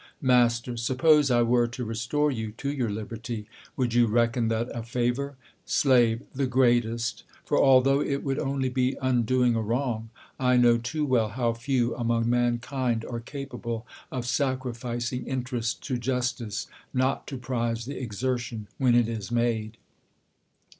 Mast, Suppose I were to restore you to your liberty, would you reckon that a favour ? Slave, The greatest ; for although it would only be undoing a wrong, I know too well how few among mankind are capable of sacrificing interest to justice not to prize the exertion when it is made.